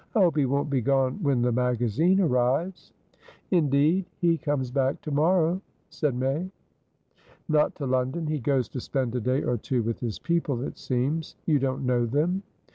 "I hope he won't be gone when the magazine arrives." "Indeed? He comes back to morrow?" said May. "Not to London. He goes to spend a day or two with his people, it seems. You don't know them?"